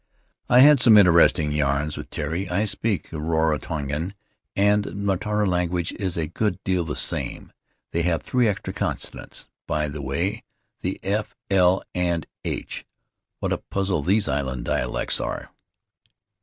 "I had some interesting yarns with Tari — I speak Rarotongan, and the Mataora language is a good deal the same. They have three extra consonants, by the way — the f, 1, and h. What a puzzle these island dialects are!